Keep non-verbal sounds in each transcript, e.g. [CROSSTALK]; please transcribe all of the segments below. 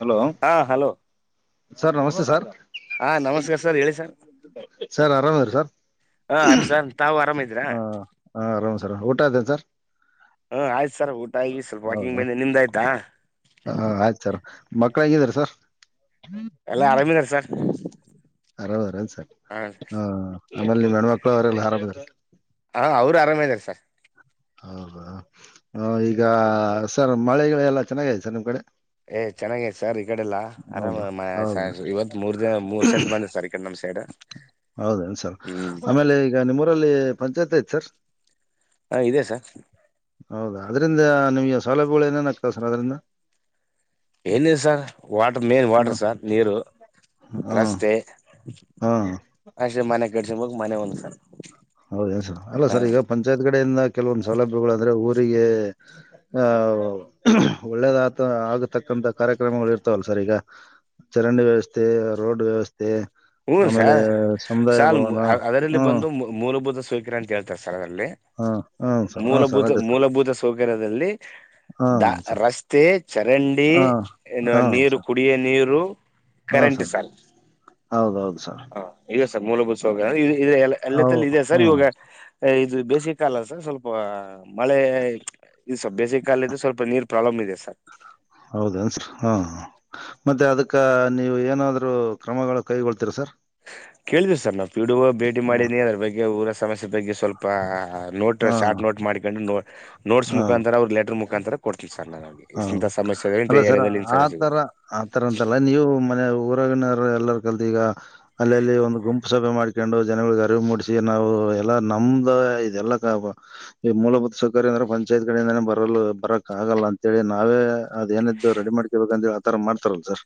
Hello ಹಾ, hello.. sir, ನಮಸ್ತೆ sir ಹಾ ನಮಸ್ಕಾರ ಸರ್ ಹೇಳಿ ಸರ್ ಸರ್ ಆರಾಮ್ಅದಿರ ಸರ್. ಹಾ ಆರಾಮ್ ಸರ್ ತಾವು ಆರಾಮ ಇದ್ದೀರಾ ಹ ಹಾ ಹ ಆರಾಮ್ ಸರ್ ಊಟ ಆಯ್ತನ ಸರ್, ಹ್ಮ ಆಯ್ತು ಸರ್ ಊಟ ಆಗ ಸ್ವಲ್ಪ ವಾಕಿಂಗ್ ಹೌದಾ ಬಂದನಿ., ನಿಮ್ದಾಯ್ತಾ, ಮಕ್ಳ ಹೆಂಗಿದಿದ್ದಾರೆ ಸರ್, ಎಲ್ಲಾ ಆರಾಮಿದಾರ ಸಾರ್, ಅರಮ್ ಇದಾರೆ ಸರ್ ಹಾ... ಆಮೇಲ್ಲಿ ಮಣ್ಮಕ್ಳು ಅವರೆಲ್ಲಾ ಆರಾಮಾರ [UNINTELLIGIBLE] ಹಾ, ಅವರು ಆರಾಮ ಅದಾರ ಸರ್, ಹೌದಾ, ಈಗ ಸರ್ ಮಳೆಗಳ ಎಲ್ಲ ಚೆನ್ನಾಗೈತೆ ಸರ್ ನಿಮ್ ಕಡೆ. ಏ ಚೆನ್ನಾಗೇ ಸರ್, ಕಡೆಲ್ಲಾ ಆರಾಮ ಹೌದು, ಹೌದ ಇವತ್ ಮೂರ್ ದಿನ ಮೂರ್ ಸತಿ ಬಂದ ಸರ್ ಈ ಕಡೆ ನಮ್ ಸೈಡ್ ಹೌದೇನ್ ಸರ್ ಹ್ಮ್ ಆಮೇಲೆ ಈಗ ನಿಮ್ಮೂರಲ್ಲಿ ಪಂಚಾಯತ್ ಯ್ತ್ ಸರ್., ಹಾ, ಇದೆ ಸರ್, ಹೌದಾ ಅದರಿಂದ ನಿಮ್ಗೆ ಸೌಲಭ್ಯಗಳು ಏನೇನ್ ಆಗ್ತದೆ ಸರ್ ಅದರಿಂದ. ಏನ ಲಸರ್, ವಾಟರ್ ಮೇನ್ ಹಾಂ ವಾಟರ್ ಸರ್ ನೀರು ಹಾಂ ರಸ್ತೆ ಹಾಂ ಅಷೆ ಮನೆ ಎಡ್ಶಿಕ್ ಮನೆ ಒಂದು ಸರ್ ಹೌದ ಸ ಅಲ್ಲ ಹ ಸರ್ ಈಗ ಪಂಚಾಯತ್ ಕಡೆಯಿಂದ ಕೆಲವೊಂದ್ ಸೌಲಭ್ಯಗಳು ಅಂದ್ರೆ ಊ ರಿಗೆ ಆ ಒಳ್ಳೇದತ ಆಗತಕ್ಕಂತಥ ಕಾರ್ಯಕ್ರಮಗಳು ಇರ್ತಾವಲ್ಲ ಸರ್ ಈಗ ಚರಂಡಿ ವ್ಯವಸ್ಥೆ ರೋಡ್ ವ್ಯವ ಹ್ಮ ಸರ್ ಸಲ್ ಭವನ ಅದರಲ್ಲಿ ಹ್ಮ್ ಬಂದು ಮೂರು ಮುದು ಸ್ವೀಕರ್ಣ್ ಕೇಳ್ತಾರ್ ಸರ್ ಅದ್ರಲ್ಲಿ ಹಾ ಹನ್ ಸರ್ ಹಾ ಸರ್ ಅದೇ ಸರ್ ನಗರದಲ್ಲಿ ದ ಹ್ಮ್ ಸರ್ ರಸ್ತೆ ಚರಂಡಿ ಹಾ ಏನ್ ಹಾ ನೀರು ಸರ್ ಕುಡಿಯ ನೀರು ಕರೆಂಟ್ ಸರ್ ಹೌದೌದು ಸರ್ ಹಾ ಇದೆ ಸರ್ ಮೂಲಭೂತಸವಾಗ ಇದೆ ಇದೆ ಹೌ ಎಲ್ಲತ್ತಲ್ಲಿ ಇದೆಯ ಸರ್ ಹ್ಮ್ ಇವಾಗ ಇದು ಬೇಸಿಗೆ ಕಾಲ ಸರ್ ಸ್ವಲ್ಪ ಮಳೆ ಇದು ಸ ಬೇಸಿಗೆ ಕಾಲ್ ಸ್ವಲ್ಪ ನೀರ್ ಪ್ರಾಬ್ಲಮ್ ಇದೆ ಸರ್ ಹೌದ ಸ ಹಾ ಮತ್ತೆ ಅದಕ್ಕ ನೀವು ಏನಾದ್ರು ಕ್ರಮಗಳು ಕೈಗೊಳ್ತೀರ ಸರ್ ಕೇಳಿದಿವಿ ಸರ್ ನಾವು ಪಿಡಿಓ ಭೇಟಿ ಮಾಡಿದ ನೀ ಅದ್ರ ಬಗ್ಗೆ ಊರ ಸಮಸ್ಯೆ ಬಗ್ಗೆ ಸ್ವಲ್ಪ ನೋಟ್ ಶಾರ್ಟ್ ನೋಟ್ ಮಾಡ್ಕೊಂಡು ನೋ ನೋಟ್ಸ್ ಹ ಮುಖಾಂತರ ಅವ್ರ ಲೆಟರ್ ಮುಖಾಂತರ ಕೊಡ್ತೀವಿ ಸರ್ ನಾನು ಅವ್ರಿಗೆ ಹ ಇಂಥ ಸಮಸ್ಯೆ ಇದೆ ಇಂಥ ಅಲ್ಲ ಸರ್ ಏರಿಯಾದಲ್ಲಿ ಇಂಥ ಸಮಸ್ಯೆ ಇದೆ ಆತರ ಆತರ ಅಂತಲ್ಲ ನೀವು ಮನ ಊರವಿನರು ಎಲ್ಲರು ಕಲ್ ಈಗ ಅಲ್ಲಲ್ಲಿ ಒಂದು ಗುಂಪು ಸಭೆ ಮಾಡ್ಕೊಂಡು ಜನಗಳಿಗೆ ಅರಿವು ಮೂಡಿಸಿ ನಾವು ಎಲ್ಲಾ ನಮ್ದ ಇದೆಲ್ಲ ಈ ಮೂಲಭೂತ ಸೊ ಬರೆ ಅಂದ್ರ ಪಂಚಾಯತ್ ಕಡಿಂದೇ ಬರಲ್ ಬರಕ್ ಆಗಲ್ಲ ಅಂತೇಳಿ ನಾವೇ ಅದೇನಿದ್ದು ರೆಡಿ ಮಾಡ್ಕರ್ಬೇಕ ಅಂತಿ ಆತರ ಮಾಡ್ತಾರಲ್ಲ ಸರ್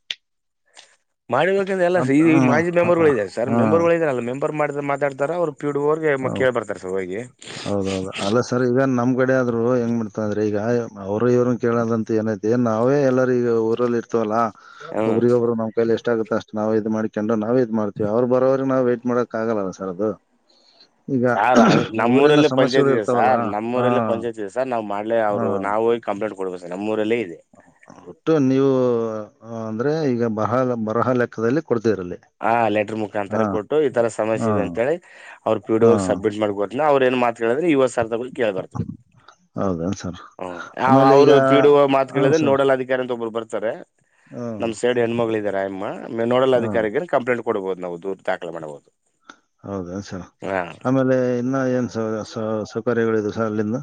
ಮಾಡಿರಕ ಎಲ್ಲ ಸ ಈ ಅಂತ- ಹಾ ಮಾಜಿ ಹಾ, ಹಾ, ಮೆಂಬರ್ಗಳು ಇದಾರೆ ಸರ್ ಹಾ, ಮೆಂಬರ್ ಗಳು ಇದಾರೆ ಅ ಮಂಮ್ ಬರ್ ಮಾಡಿದ ಮಾತಾಡ್ತಾರ ಅವ್ರ ಪಿಡಿಓ ಹೌ- ಕೇಳ್ ಬರ್ತಾರೆ ಸರ್ ಹೋಗಿ ಹೌದೌದು ಅಲ್ಲ ಸರ್ ಈಗ ನಮ್ ಮ್ಮ್ ಕಡೆ ಆದ್ರು ಹೆಂಗ ಮಾಡ್ತಂದ್ರೆ ಈಗ ಅವರು ಇವ್ರನ್ ಕೇಳದಂತ ಏನೈತಿ ನಾವೇ ಎಲ್ಲಾರ ಈಗ ಊರಲ್ಲಿ ಇರ್ತಿವಲ್ಲ ಒಬ್ಬರಿಗೊಬ್ರು ನಮ್ ಕೈಲಿ ಎಷ್ಟ ಆಗುತ್ತೆ ಅಷ್ಟ ನಾವ್ ಇದ್ ಮಾಡಿ ಕಂಡ್ ನಾವ್ ಇದ್ ಮಾಡ್ತೀವಿ ಅವ್ರು ಬರೋರಿಗೆ ನಾವ್ ವೈಟ್ ಮಾಡಕ್ ಆಗಲ್ಲ ಸರ್ ಅದು ಈಗ ಊರಿನ ನಮ್ಮೂರಲ್ಲಿ ಸಮಸ್ಯೆಗಳು ಪಂಚಾಯಿತಿ ಇದೆ ಇರ್ತಾವಲ್ಲ ಸರ್ ಹಾ ನಮ್ಮೂರಲ್ಲಿ ಪಂಚಾಯತ್ತಿ ಇದೆ ಸರ್ ನಾವ್ ಮಾಡ್ಲೆ ಹಾ ಅವ್ರು ನಾವೋಗ ಕಂಪ್ಲೇಂಟ್ ಕೊಡ್ಬೇಕ ಸರ್ ನಮ್ಮೂರಲ್ಲೇ ಇದೆ ಒಟ್ಟು ನೀವು ಅ ಅಂದ್ರೆ ಈಗ ಬಹದ ಬರಹ ಲೆಕ್ಕದಲ್ಲಿ ಕೊಡ್ತಿದ್ರಲ್ಲಿ ಹಾ ಲೆಟರ್ ಮುಖಾಂತರ ಹಾ ಕೊಟ್ಟು ಈ ತರ ಹಾ ಸಮಸ್ಯೆ ಇದೆ ಅಂತೇಳಿ ಅವ್ರ ಪಿಡಿಓ ಹಾ ಅವ್ರಿಗೆ ಸಬ್ಮೀಟ್ ಮಾಡಬದು [UNINTELLIGIBLE] ಅವ್ರ ಏನ್ ಮಾತ ಹೇಳಿದ್ರ ಈವ [UNINTELLIGIBLE] ಕೇಳ ಬರ್ತವೆ ಹೌದೇನ್ ಸರ್ ಆಮೇಲೆ ಅವರು ಈಗ ಪೀುವ ಹ ಮಾತುಿದ್ರೆ ಸರ್ ನೋಡಲ್ ಅಧಿಕಾರಿಂತ ಒರು ಬರ್ತಾರೆ ತಾರೆ ಹ್ಮ್ ನಮ್ ಸೇಡ್ ಹೆಣ್ಮಗಳು ಇದಾರೆ ಅಮ್ಮ ನೋಡಲ್ಲ ಹ್ಮ್ ಅದಕ್ಕೆ ಕಂಪ್ಲೇಟ್ ಕೊಡಬಹುದು ನಾವು ದೂರ್ ದಾಖಲ ಮಾಡಬಹುದು ಹೌದ ಸ ಹಾ ಆಮೇಲೆ ಇನ್ನ ಏನ್ಸ ಸೌಕರ್ಯಗಳು ಅಲ್ಲಿಂದ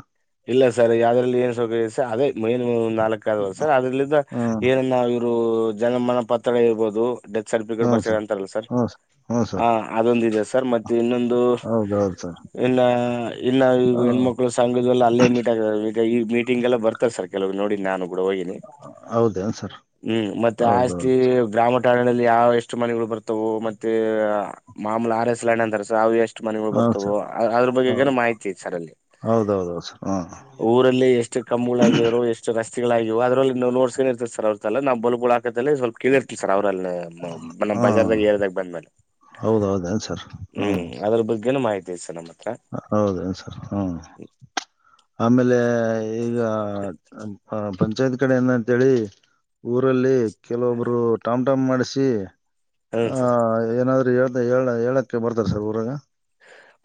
ಇಲ್ಲ ಸರ್ ಯಾವದ್ರಲ್ಲಿ ಏನ್ ಸೌಕರ್ಯ ಸರ್ ಅದೇ [UNINTELLIGIBLE] ಮೈನ್ ನಾಲ್ಕ ಆದ ವರ್ಷ ಅದ್ರಲಿಂದ ಹ್ಮ್ ಏನನ್ನ ಇವರು ಜನಮನ ಪತ್ರ ಇರ್ಬಹದು ಡೆತ್ ಸರ್ಟಿಫಿಕೇಟ್ ಬರ್ ಅಂತಾರಲ್ಲ ಸರ್ ಹ್ಮ್ ಹ್ಮ್ ಹ ಸರ್ ಅದೊಂದು ಇದೆ ಸರ್ ಮತ್ತೆ ಇನ್ನೊಂದು ಹೌದೌದು ಸರ್ ಇನ್ನ ಇ ಹ ಹೆಣ್ಮಕ್ಕಳು ಸಂ [UNINTELLIGIBLE] ಮೀ ಆ ಈ ಮೀಟಂಗ ಎಲ್ಲ ಬರ್ತಾರೆ ಸರ್ ಕೆಲವ ನೋಡಿ ನು ಕಡ ಹೋಗನಿ ಹೌದೇನ್ ಸರ್ ಹ್ಮ್ ಮತ್ತ ಆಸ್ತಿ ಹೌದೌದು ಗ್ರಾಮಾಟ್ ಯಾವ ಎಷ್ಟು ಮನೆಗಳು ಬರುತ್ ಓ ಮತ್ತೆ ಮಾಮಲ ಆರ್ ಎಸ್ ಅಂತವು ಎಷ್ಟು [UNINTELLIGIBLE] ಷ್ಟ ಮನೆಗಳು ಹಾ ಬರ್ತವೋ ಸರ್ ಅದ್ರ ಬಗ್ಗೆ ಹ ಏನ ಮಾಹಿತಿ ಇ ಸರ ಅಲ್ಲಿ ಹೌದೌದು ಸರ್ ಹ್ಮ್ ಊರಲ್ಲಿ ಎಷ್ಟು ಕಂಬುಳಾಗಿದ್ರು ಎಷ್ಟು ಕಷ್ [UNINTELLIGIBLE] ಅದ್ರಲ್ಲಿ ನೋಡ್ಸ್ಕೊಂಡ ಇರ್ತ ಸರ್್ರಲ್ಲ ನ ಬ ಸ್ವಲ್ಪ ಕೇಳಿರ್ತ ಸರ್ ಅವ್ರಲ್ಲ ನಮ್ಮ್ ಹ್ಮ್ ಬಜಾರ್ದಾಗ ಏರದಾಗ ಬಂದ್ಮೇಲೆ ಹೌದೌದೇನು ಸರ್ ಹ್ಮ್ ಅದ್ರ ಬಗ್ಗೆ ನು ಮಾಹಿತಿ ಉೇಶ ನ ಮತ್ತು [INAUDIBLE] ಹೌದೇನ್ ಸರ್ ಹ್ಮ ಆಮೇಲೆ ಈಗ ಪಂಚಾಯತ್ ಕಡೆೆಯಇಂದ ಅಂತ್ ಹೇಳಿ ಊರಲ್ಲಿ ಕೆಲವೊಬ್ರು ಟಾಮ್ ಟಾಮ್ ಮಾಡಿಸಿ ಹ್ಮ್ ಹ ಸರ್ ಏನಾದ್ ಏಳ್ ಏಳಕ್ಕೆ ಬರ್ತಾರೆ ಸರ್ ಊರಾಗ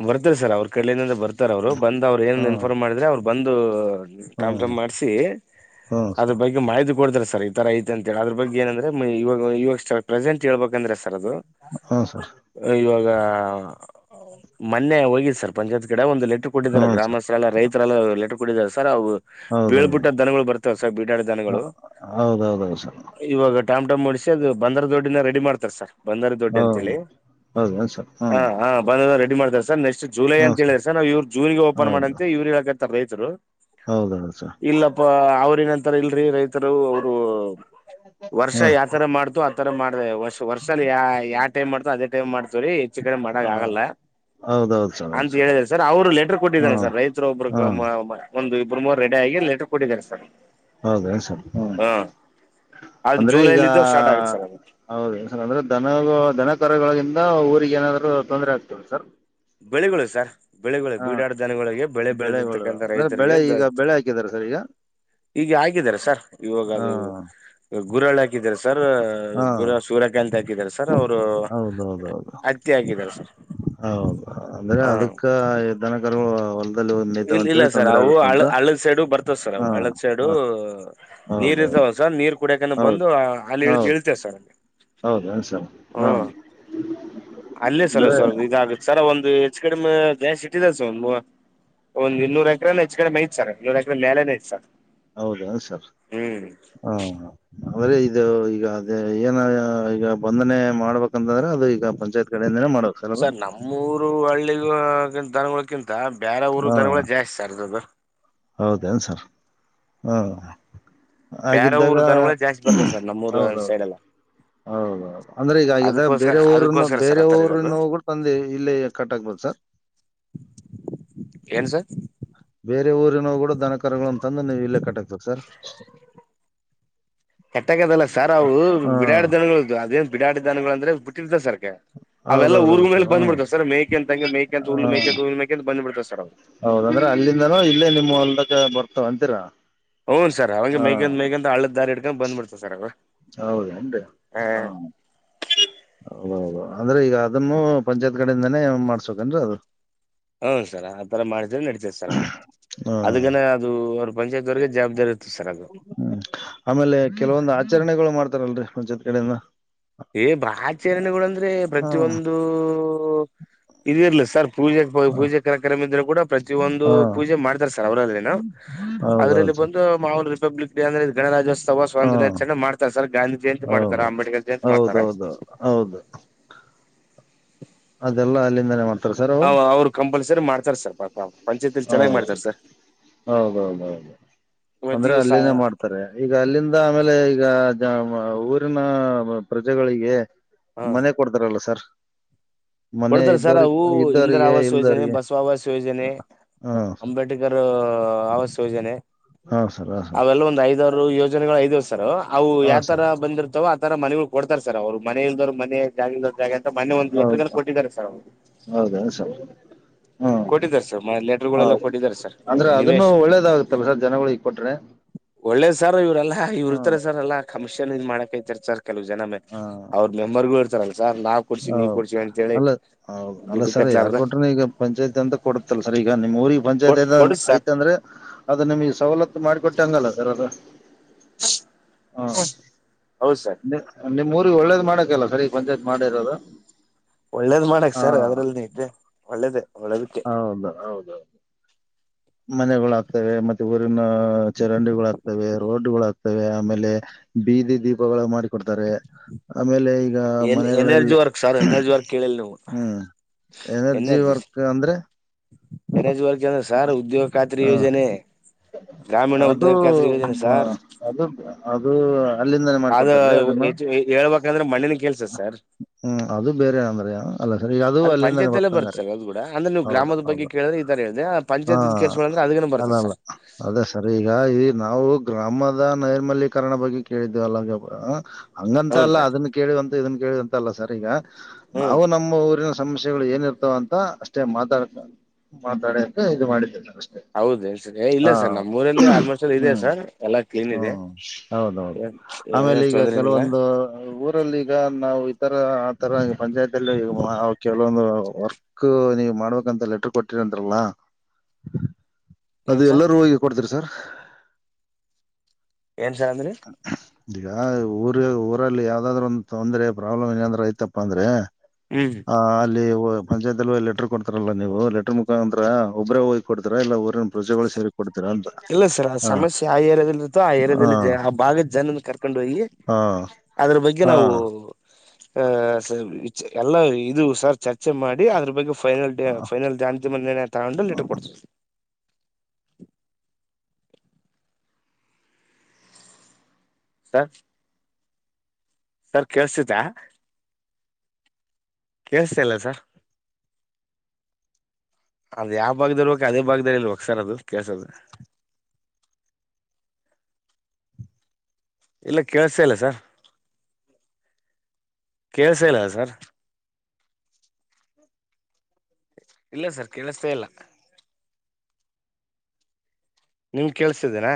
ಬರ್ತಾರೆ ಸರ್ ಅವ್ರ ಕಲ್ಲಿಂದ ಬರ್ತ ಅವರು ಬಂದ್ ಏನ್ ಹ್ಮ್ ಇನ್ಫಾರ್ಮ್ ಮಾಡಿದ್ರ ಅವ್ರರು ಒಂದು ಟಾಮ್ ಹ್ಮ್ ಟಾಮ್ ಮಾಡ್ಸಿ ಹ್ಮ್ ಅದ್ರ ಸರ್ ಬಗ್ಗೆ ಮಾಹಿತಿ ಕೊಡ್ತಾರೆ ಸರ್ ತರ ಐತೆ ಅಂತ ಹೇಳ ಅದ್ರ ಬಗ್ ಏನಂದ್ರೆ ಇವಾಗ ಇವಾಗ ಪ್ರೆಸೆಂಟ್ ಹಳ್ಬೇಕಂದ್ರೆ ದು ಹ್ಮ್ ಸರ್ ಇವಾಗ ಹಾ ಮೊನ್ನೆ ಹೋಗಿ [UNINTELLIGIBLE] ಗಿಡ ಒಂದು ಲೆಟರ್ ಕೊಟ್ಟಿದ್ದಾರೆ ಹ್ಮ್ ಸರ್ ಗ್ರಾಮಸ್ಥರು ಎಲ್ಲ ರೈತರೆಲ್ಲ ಲೆಟರ್ ಕೊಟ್ಟಿದಾರೆ ಸರ್ ಅವು ಹೌದೌದು ಬೀಳ್ಬಿಟ್ಟ ದನಗಳು ಬರ್ತಾವ ಬೀಡಾಡ ದನಗಳು ಹ- ಹೌದೌದೌದು ಸರ್ ಇವಾಗ ಟಾಮ್ಟ್ ಓಡಿಸಿ ಅದು ಬಂದ್ರ ದೊಡ್ಡಿನ ರೆಡಿ ಮಾಡ್ತಾರೆ ಸರ್ ಬಂದಾರ ದೊಡ್ಡಿ ಹ್ಮ್ ಅಂತೇಳಿ ಹೌದೇನು ಸರ್ ಹಾ ಹ್ಮ್ ಹಾ ರೆಡಿ ಮಾಡತಾರೆ ಸರ್ ನೆಕ್ಸ್ ಜುಲೈ ಅಂತ ಹೇಳ್ಯಾರ ಸರ್ ನಾವು ಜೂನ್ಗೆ ಓಪನ ಹೌದು ಮಾಡಂತ ಇವ್ರ್ ಹೇಳ ಕತ್ತಾರ ರೈತರು ಹೌದೌದು ಸರ್ ಇಲ್ಲಪ್ಪ ಅವ್ರನಂತರ ಇಲ್ರರಿ ರೈತರು ಅವರು ವರ್ಷ ಹ್ಞೂ ಯಾವತರ ಮಾಡ್ತೀವೋ ಅತರ ಮಾಡ್ರಿ ವರ್ಷ ಯಾವ್ ಟೈಮ್ಗೆ ಮಾಡ್ತೀವೋ ಅದೇ ಟೈಮ್ಗೆ ಮಾಡ್ರಿ ಹೆಚ್ಚು ಕಮ್ಮಿ ಮಾಡಕ್ಕಾಗಲ್ಲ ಹೌದೌದು ಸರ್ ಅಂತ ಹೌದು ಹೇಳಿದ್ರ ಸರ್ ಅವರು ಲೆಟರ್ ಹ್ಞೂ ಕೊಟ್ಟಿದಾರೆ ಸರ್ ರೈತರು ಒಬ್ಬರು ಹ್ಞೂ ಒಂದು ಇಬ್ರು ಮೂರು ರೆಡಿ ಆಗಿ ಲೆಟರ್ ಕೊಟ್ಟಿದ್ದಾರೆ ಸರ್ ಹೌದ ಸರ್ ಹಾ ಅದು ಅಂದ್ರೆ ಈಗ ಜುಲೈಲಿದ್ದು ಸ್ಟಾರ್ಟ್ ಆಗುತ್ತೆ ಸರ್ ಅದು ಹೌದ ಸರ್ ಅಂದ್ರೆ ದನ ದನ ಕರುಗಳಗ ಊರಿಗೆ ಏನಾದ್ರು ತೊಂದ್ರೆ ಆಗ್ತದ ಸರ್ ಬೆಳಿಗಳು ಸರ್ ಬೆಳೆಗಳೊಳಗ್ ಹ ಬೀಡಾಡ ದನಗಳಳಿಗೆ ಬೆಳೆ ಬೆಳೆಗಳು ಬೆಳೆದಿರ್ತಕ್ಕಂಥ ಅಂದ್ರೆ ರೈತರಿಗೆ ಬೆಳೆ ಈಗ ದತ್ತು ಬೆಳೆ ಹಾಕಿದಾರ ಸರ್ ಈಗ ಈಗ ಹಾಕಿದ್ದಾರೆ ಸರ್ ಇವಾಗ ಹ ಅದು ಗುರಾಳ ಹಾಕಿದಿದ್ದಾರೆ ಸರ್ ಹಾ ಗುರು ಸೂರ್ಯಕಂತ ಹಾಕ ಸರ್ ಅವರು ಹತ್ತಿ ಹಾಕೀದ್ದಾರೆ ಸರ್ ಹಾ ಅಂದ್ರೆ ಅದಕ್ಕ ದನ ಕರು ಇಲ್ಲ ಇಲ್ಲ ಸರ್ ಅವು ಹ ಹಳದ್ ಸೈಡು ಬರ್ತವ್ ಸರ್ ಅವು ಹಾ ಹಳದ್ ಸೈಡು ಹ ನೀರ್ ಹೌದೌದು ಇರ್ತಾವ ಸರ್ ನೀರ್ ಕುಡಿಯಕ ಬಂದು ಅಲ್ಲಿ ಇಲ್ಲಿತವೇ ಸರ್ ಹೌದ ಸರ್ ಹಾ ಹ್ಮ್ ಅಲ್ಲೇ ಸರ್ ಅಂದ್ರೆ ಇದ ಸರ ಒಂದು ಹೆಚ್ಚ ಕಡೆಮ ಗ್ಯಾಸ್ ಇಟ್ಟಿದ ಸರ್ ಒಂದ ಒಂದ ಇನ್ನೂರು ಎಕರೆನ ಹೆಚ್ಚು ಕಡೆಮೆ ಐತ್ ಸರ್ ಇನ್ನೂರು ಎಕ್ರೆ ಐತ್ ಸರ್ ಹೌದಾ ಸರ್ ಹ್ಮ್ ಹಾ ಅಂದ್ರ ಇದು ಈಗ ಅದೇ ಏನ ಈಗ ಬಂಧನೆ ಮಾಡ್ಬೇಕ ಅಂತ ಅಂದರ್ ಅದು ಈಗ ಪಂಚಾಯತ್ ಕಡೆಯಿಂದ ಮಾಡಬೇಕ ಅಲ್ವಾ ಸರ್ ನಮ್ಮೂರು ಹಳ್ಳಿಗ ದನಗಳಕಿಂತ ಬೇರೆ ಊರು ದನಗಳು ಜಾಸ್ತಿ [UNINTELLIGIBLE] ಹೌದೇನು ಸರ್ ಹಾ ಬೇರೆ ಹಾಗಿದ್ದಾಗ ಊರ್ ದನಗಳ ಜಾಸ್ತಿ ಬರ್ತವೆ ಸರ್ ನಮ್ಮೂರ್ ಹೌದೌದು ಸೈಡ್ ಎಲ್ಲಾ ಹೌದೌದು ಅಂದ್ರೆ ಈಗಾಗಿದೆ ಬೇರೆ ಊರನ್ನ ಅದಕ್ಕೋಸ್ಕರ ಸರ್ ಬೇರೆ ಆತರ ಇರೋದು ಊ್ರನ ಹೋಗ ತಂದೆ ಇಲ್ಲಿ ಕಟ್ಕ್ಬದು ಸರ್ ಏನ್ ಸರ್ [UNINTELLIGIBLE] ಊರಿನ ಕೂಡ ಧನ ಗಳುಂತ ತಂದು ನೀವು ಇಲ್ಲೇ ಕಟ್ಟಗಬೋಧು ಸರ್ ಕೆಟ್ಟಾಗದಲ್ಲ ಸಾರ್ ಅವವು ಹಾ ಬಿಡಾಡ್ದ ಅದೆಂತ [INAUDIBLE] ಬೀಡಾಧು ಅಂದ್ರೆ ಬಿಟ್ಟಿರ್ತ ಸರ್ೆ ಅವೆಲ್ಲ. ಹೌದೌದೌದು ಊರುಗಳಲ್ಲ ಸರ್ ಬಂದ್ ಹ್ಮ್ ಬಿಡ್ತ ಸರ್ ಮೇಕೆಂತಂಗ ಮೇಕ ಅಂತ ಉರುಲ್ ಹ ಮೇಕಂತ ಉ ಮೇಕಂತ ಬಂದ್ಬಡ್ತ ಸರ್ ಅವ ಹೌದಂದ್ರೆ ಅಲ್ಲಿಂದನೂ ಇಲ್ಲೇ ನಿಮ್ಮ್ ಹೊಲ್ಕ್ಕ ಬರ್ ಅಂತೀರಾ ಹ್ನ್ ಸ ಅವಾಗ ಹಾ ಮೈಗಂದ ಮೈಗಂತ ಅಳ್ಳದ ದಾರಿ ಇಡ್ಕೊಂಡು ಬಂದ್ಬಡ್ತವ ಸರ್ ಅವಾಗ ಹೌದನ್ರಿ ಹಾ ಹೌದೌದ ಅಂದ್ರೆ ಈಗ ಅದನ್ನು ಪಂಚಾಯತ್ ಕಡಿಂದಾನೇ ಮಾಡ್ಸ್ಕೇನ್ರ ಅದು ಹೌನ್ ಸರ್ ಆತರ ಮಾಡಿದ ನಡತೇದ ಸರ್ ಅದು ಹಾ ಅದಗನ ಅದು ಪಂಚಾಯತ್ ಅವ್ರಿಗೆ ಜವಾಬ್ದಾರಿ ಇರ್ತದೆ ಸರ್ ಅದು ಹ್ಮ್ ಆಮೇಲೆ ಕೆಲವೊಂದು ಆಚರಣೆಗಳು ಮಾಡ್ತಾರೆ ಮಾಡ್ತಾರಲ್ರಿ ಜೊತೆಗಡೆಯಿಂದ [UNINTELLIGIBLE] ಏ ಬ್ರಹಾಚರಣೆಗಳುಂದ್ರೆ ಹ ಪ್ರತಿಯೊಂದು ಇರಿಯರ್ಲ್ಲ ಸರ್ ಪೂಜೆ ಪೂಜೆ ಹಾ ಕಾರ್ಯಕ್ರಮ ಇದ್ರರು ಕೂಡ ಪ್ರತಿಯೊಂದು ಪೂಜೆ ಮಾಡ್ತಾರ ಸರ್ ಅವರಲ್ಲಿ ನಾವು ಅದರಲ್ಲಿ ಹೌದೌದು ಸರ್ ಬಂದು [UNINTELLIGIBLE] ಅಂದ್ರೆ ಗಣರಾಜೋತ್ಸವ ಸ್ವ ಹಾ ನರ್ಚೆ ಮಾಡ್ತಾರೆ ಸರ್ ಗಾಧಿ ಜಯಂತಿ ಮಾಡ್ತಾರೆ ಹೌದು ಅಂಬೇಡ್ಕರ್ ಜಯಂತಿ ಮಾಡ್ತಾರೆ ಹೌದೌದು ಹೌದು ಅದೆಲ್ಲಾ ಅಲ್ಲಿಂದನೇ ಮಾಡ್ತಾರೆ ಸರ್ ಅವು ಹ ಅವ್ರು ಕಂಪಲ್ಸರಿ ಮಾಡ್ತಾರೆ [INAUDIBLE] ಹಾ ಚೆನ್ನಾಗಿ ಮಾಡ್ತಾರೆ ಸರ್ ಹೌದೌದ ಹೌದು [UNINTELLIGIBLE] ಇವತ್ತು ಅಂದ್ರೆ ದಿವಸ ಅಲ್ಲಿನೇ ಮಾಡ್ತಾರೆ ಈಗ ಅಲ್ಲಿಂದ ಆಮೇಲೆ ಈಗ ಊರಿನ ಪ್ರಜೆಗಳಿಗೆ ಮನೆ ಕೊಡ್ತಾರಲ್ಲ ಸರ್ ಮನೆ ಕೊಡ್ತಾರ ಸರ್ ಇದ್ದವ್ರಿಗೆ ಅವು ಇಂದ್ರ ಇದ್ದವರಿಗೆ ಆವಾಸ ಯೋಜನೆ ಇಲ್ದವ್ರಿಗೆ ಬಸವ ಹವಾಸ ಯೋಜನೆ ಹಾ ಸರ್ ಅಂಬೇಡ್ಕರ್ ಅವ್ಯ ಯೋಜನೆ ಹಾ ಸರ್ ಹಾ ಸರ್ ಅವೆಲ್ಲ ಒಂದ್ ಐದ್ವರು ಯೋಜನೆಗಳು ಐದ್ವ ಸರ್ ಅವು ಹಾ ಯಾವ ಸರ್ ತರ ಬಂದಿರ್ತಾವ ಆತರ ಮನೆ ಕೊಡ್ತಾರೆ ಸರ್ ಅವ್ರು ಮನೆ ಇಲ್ದವ್ ಮನೆ ಜಾಗ ಇಲ್ಲದೆ ಆಗಂತ ಮೊನ್ನೆ ಒಂದು ಲೆಟರ್ ಹೌದು ಹೌದಾ ಸರ್ ಹ್ಮ ಕೊಟ್ಟಿದ್ದಾರೆ ಸರ್ ಲೆಟರ್ಗಳೆಲ್ಲ ಹೌದು ಕೊಟ್ಟಿದ್ದಾರೆ ಸರ್ ಅಂದ್ರೆ ಅದನ್ನು ನಿವೇಶ್ ಒಳ್ಳೇದಾಗುತ್ತಲ್ಲ ಸರ್ ಜನಗಳಿಗೆ ಕೊಟ್ರೆ ಒಳ್ಳೇದ ಸರ್ ಇವ್ರಲ್ಲ ಹ ಇರ್ತಾರೆ ಸರ್ ಎಲ್ಲಾ ಕಮಿಷನ್ ಇದ್ ಮಾಡಕೈತರ್ ಸರ್ ಕೆಲವು ಜನ ಮ ಹ ಅವ್ರ ಮೆಂಬರ್ಗೂ ಹೇಳ್ತಾರಲ್ಲ ಸಾರ್ ನಾವ್ ಕೊಡ್ಸ ನೀ ಹೌದು ಕೊಡ್ಸ ಅಂತ ಹೇಳಿ ಅಲ್ಲ ದುಡ್ಡು ಕತ್ಲಾರ್ದ ನಂತ ಕೊಡುತ್ತಲ್ಲ ಸರ್ ಈಗ ನಿಮ್ ಊರಿಗೆ ಪಂಚಾಯತ್ ಐದ್ ಕೊಡ್ರಿ ಸರ್ ಐತಂದ್ರೆ ಅದದು ನಿಮಗೆ ಸವಲತ್ತು ಮಾಡಿಕೊಟ್ಟೆ ಹಂಗಲ್ಲ ಸರ್ ಅದು ಹ ಹೌದು ಸರ್ ನಿಮ್ ಊರಿಗೆ ಒಳ್ಳೇದ್ ಮಾಡಕಲ್ಲ ಸರಿ ಪಂಚಾಯತ್ ಮಾಡಿ ಇರೋದು ಒಳ್ಳೇದ್ ಮಾಡಕ್ ಸರ್ ಅದ್ರಲ್ಲ ಇದ್ದೆ ಒಳ್ಳೇದೇ ಹೌದು ಹೌದೌದು ಮನೆಗಳುಆಗ್ತವೆ ಮತ್ತೆ ಊರಿನ ಚರಂಡಿಗಳಾಗ್ತವೆ ರೋಡುಗಳೂಗ್ತವೆ ಆಮೇಲೆ ಬೀದಿ ದೀಪಗಳು ಮಾಡಿಕೊಡ್ತಾರೆ ಆಮೇಲೆ ಈ ಎನ್ energy work sir energy work ಕೇಳಿಲ್ಲ ನೀವು ಹ್ಮ್ ಎನರ್ಜಿ ವರ್ಕ್ ಅಂದ್ರೆ ಎನರ್ಜಿ ವರ್ಕ್ ಸರ್ ಉದ್ಯೋಗ ಕತ್ರಿ ಹ ಯೋಜನೆ ಗ್ರಾಮೀಣ ಅದು ಉದ್ಯೋಗ ಖಾತ್ರಿ ಯೋಜನೆ ಸಾರ್ ಅದು ಅದು ಅಲ್ಲಿಂದಾನೇ ಅದ ಮಾಡ್ಕೊಡ್ತಾರೀ ಅದನ್ನ ಹೇಳ್ಬೇಕಂದ್ರೆ ಮಣ್ಣಿನ ಕೆಲ್ಸ ಸರ್ ಹ್ಮ ಅದು ಬೇರೆಏಂದ್ರ ಅಲ್ಲ ಸರಿ ಈಗ ಅದು ಅಲ್ಲಿಂದಾನೇ ಪಂಚಾಯತ್ ಅಲ್ಲೇ ಬರುತ್ತೆ ಹಂಗಾದ್ರೆ ಸರ್ ಅದು ಕೂಡ ಅಂದ್ರೆ ನೀವು ಗ್ರಾಮದ ಬಗ್ಗೆೇಳಿದ್ರೆ ಈ ತರ ಹೇಳಿದೆೆ ಪಂಚಾಯತ್ ಕೆಸಗಳು ಅಲ್ಲಿಗೇನೇ ಅಲ್ಲ ಬರುತ್ತೆ ಅಲ್ಲ ಸರ್ ಅದೇ ಸರಿ ಈಗ ಈ ನಾವು ಗ್ರಾಮದ ನೈರ್ಮಲ್ಯೀಕರಣ ಬಗ್ಗೆ ಕೇಳಿದ್ದೇವಲ್ಲ ಹಂಗಂತ ಹೌನ್ ಅಲ್ಲ ಸರ್ ಅದನ್ನ ಕೇಳುವಂತ ಇದನ್ನ ಕೇಳಂತಲ್ಲ ಸರ್ ಈಗ ಹ್ಮ್ ನಾವು ನಮ್ಮ ಊರಿನ ಸಮಸ್ಯೆಗಳು ಏನಿರ್ತಾವ ಅಂತ ಅಷ್ಟೇ ಮಾತಾಡ್ ಮಾತಾಡಕ್ಕೆ ಇದು ಮಾಡಿದ್ದಿಲ್ಲ ಹೌದೇಳಿ ಸರ್ ಏ ಇಲ್ಲ ಸರ್ ನಮ್ಮ್ ಊರಲ್ಲಿ ಆಲ್ಮೋಸ್ಟ್ ಇದೆ ಹ್ಮ್ ಸರ್ ಎಲ್ಲಾ ಕ್ಲೀನ್ ಇದೆ ಹ್ಮ್ ಹೌದೌದು ಆಮೇಲೆ ಏನೇನ್ ಈಗ ತೊಂದ್ರನಿಲ್ಲ ಕೆಲವೊಂದು ಊರಲ್ಲಿ ಈಗ ನಾವು ಈ ತರ ಆ ತರ ಪಂಚಾಯತ್ ಅಲ್ಲಿ ಕೆಲವೊಂದು ವರ್ಕ್ ನೀವು ಮಾಡ್ಬೇಕಂತ ಲೆಟರ್ ಕೊಟ್ಟಿರಂತಲ್ಲ ಅದು ಏನ್ ಸರ್ ಎಲ್ಲರೂ ಹೋಗಿ ಕೊಡ್ತರಿ ಸರ್ ಏನ್ ಸಾರ್ ಅಂದ್ರಿ ಈಗ ಊರ ಊರಲ್ಲಿ ಯಾವ್ದಾದ್ರು ಒಂದ ತೊಂದ್ರರೆ ಪ್ರಾಬ್ಲಮ್ ಏನಾದ್ರ ಐತಪ್ಪ ಅಂದ್ರೆ ಹ್ಮ್ ಹ ಅಲ್ಲಿ ಪಂಚಾಯತ್ ಅಲ್ಲಿ ಲೆಟರ್ ಕೊಡ್ತಾರಲ್ಲಾ ನೀವು ಲೆಟರ್ ಮುಖಾಂದ್ರ ಒಬ್ರೇ ಹೋಗ್ ಕೊಡ್ತರ ಇಲ್ಲ ಊನ ಪ್ರಜೆಗಳು ಸೇರ್ ಇಲ್ಲ ಸರ್ ಆ ಸಮಸ್ಯೆ ಆ ಏರಿಯಾದಲ್ಲಿ ಇರ್ತ್ತೋ ಆ ಏರಿಯಾದಲ್ಲಿ ಆ ಭಾಗದ ಜನನ್ನ ಕರ್ಕೊಂಡು ಹೋಗಿ ಹ ಅದ್ರ ಬಗ್ಗೆ ಹ ನಾವು ಹ ಸ ಎಲ್ಲ ಇದು ಸರ್ ಚರ್ಚೆ ಮಾಡಿ ಅದ್ರ ಬಗ್ಗೆ ಫೈನಲ್ ಹ ಫೈನಲ್ ಜಾಂತ ಮ ತಗೊಂಡು ಲಿಟರ್ ಕೊಡ್ತವಿ ಸರ್ ಸರ್ ಕೇಳ್ಸಿತೈತ ಕೆಳ್ಸತ ಇಲ್ಲ ಸರ್ ಅದ ಯಾವ್ ಭಾಗದ ಇಲ್ವಕ್ ಅದೇ ಭಾಗ್ದದಲ್ಲಿ ಇಲ್ವಕ್ ಸರ್ ಅದು ಕೆಲ್ಸದ ಇಲ್ಲ ಕೇಳ್ಸ ಇಲ್ಲ ಸರ್ ಕೇಳ್ಸ ಇಲ್ಲ ಸರ್ ಇಲ್ಲ ಸರ್ ಕೆಳಸ್ತ ಇಲ್ಲ ನಿಮ್ ಕೇಳ್ಸಿದ್ದೇನಾ